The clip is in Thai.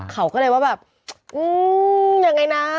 เขาก็เลยว่าแบบอืมยังไงนะ